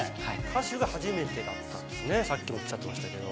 歌手が初めてだったんですね、さっきもおっしゃってましたけど。